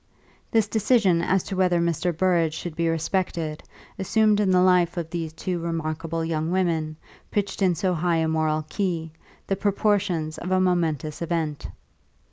This decision as to whether Mr. Burrage should be respected assumed in the life of these two remarkable young women, pitched in so high a moral key, the proportions of a momentous event.